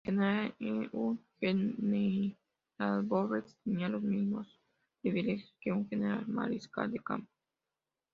En general, un Generaloberst tenía los mismos privilegios que un general mariscal de campo.